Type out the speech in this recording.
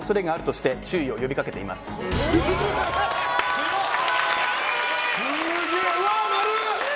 すごい！